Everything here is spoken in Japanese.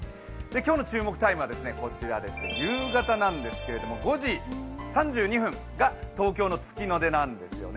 今日の注目タイムは夕方なんですけれども５時３２分が東京の月の出なんですよね。